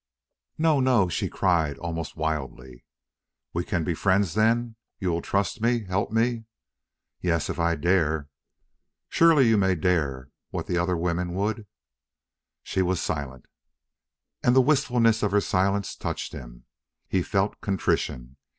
"No no," she cried, almost wildly. "We can be friends then. You will trust me, help me?" "Yes, if I dare." "Surely you may dare what the other women would?" She was silent. And the wistfulness of her silence touched him. He felt contrition.